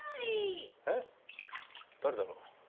え誰だろう。